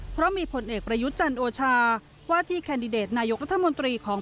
เพราะมีผลเอกประยุทธ์จันโอชาว่าที่แคนดิเดตนายกรัฐมนตรีของ